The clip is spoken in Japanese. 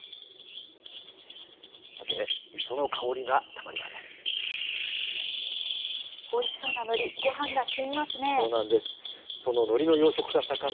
さて磯の香りがたまりません。